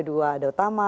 ada utama ada utama